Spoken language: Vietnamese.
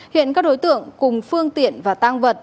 hiện các đối tượng cùng phương tiện và tăng vật